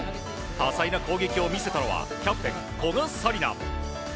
多彩な攻撃を見せたのはキャプテン古賀紗理那。